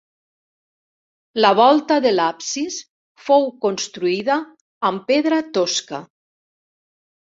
La volta de l'absis fou construïda amb pedra tosca.